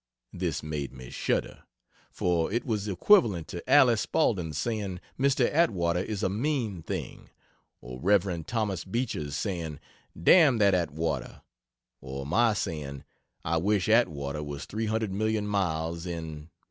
This made me shudder; for it was equivalent to Allie Spaulding's saying "Mr. Atwater is a mean thing;" or Rev. Thomas Beecher's saying "Damn that Atwater," or my saying "I wish Atwater was three hundred million miles in